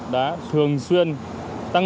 đã thường xuyên giao thông